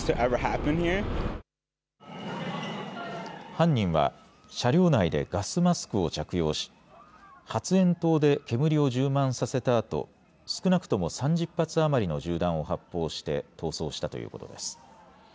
犯人は車両内でガスマスクを着用し発煙筒で煙を充満させたあと少なくとも３０発余りの銃弾を発砲して逃走したということです。